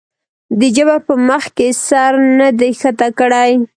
د جبر پۀ مخکښې سر نه دے ښکته کړے